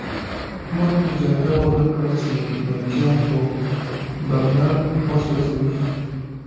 موږ اجازه ورنه کړه چې ملکیان په برنر وسوځوي